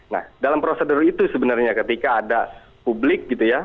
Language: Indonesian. nah dalam prosedur itu sebenarnya ketika ada publik gitu ya